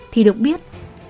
thì được biết